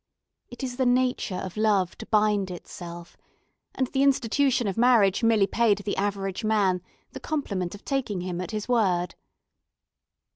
It is the nature of love to bind itself, and the institution of marriage merely paid the average man the compliment of taking him at his word.